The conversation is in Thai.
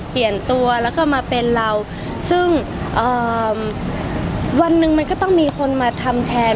เปลี่ยนตัวแล้วก็มาเป็นเราซึ่งเอ่อวันหนึ่งมันก็ต้องมีคนมาทำแทน